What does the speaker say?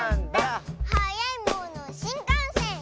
「はやいものしんかんせん！」